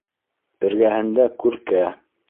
Эргәһендә күркә...